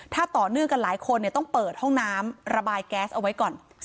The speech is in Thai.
ถ้าต่อเนื่องกันหลายคนต้องเปิดห้องน้ำระบายแก๊สเอาไว้ก่อน